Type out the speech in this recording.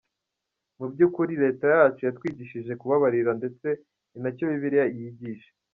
Mu by’ukuri, Leta yacu yatwigishije kubabarira ndetse ni na cyo Bibiliya yigisha.